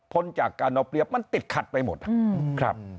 จากการเอาเปรียบมันติดขัดไปหมดนะครับ